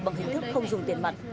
bằng hình thức không dùng tiền mặt